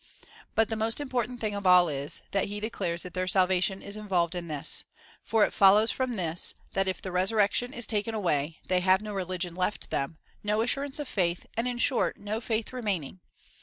But the most important thing of all is, that he declares that their salva tion is involved in this, for it follows from this, that, if the re surrection is taken away, they have no religion left them, no assurance of faith, and in short, have no faith remaining.